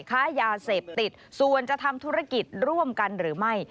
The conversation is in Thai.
ค้ายาเสพติดส่วนจะทำธุรกิจร่วมกันหรือไม่